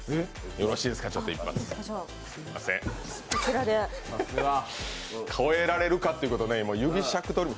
よろしいですか、一発。超えられるかっていうことで指しゃくとり虫。